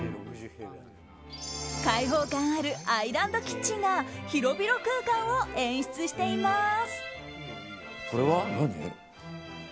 開放感あるアイランドキッチンが広々空間を演出しています。